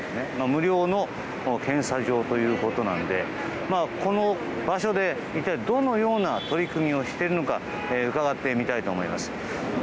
無料の検査場ということなのでこの場所で、一体どのような取り組みをしているのか伺ってみたいと思います。